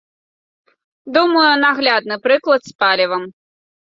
Думаю, наглядны прыклад з палівам.